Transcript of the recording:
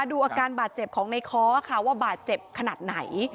ดูอาการบาดเจ็บของในค้อค่ะว่าบาดเจ็บขนาดไหน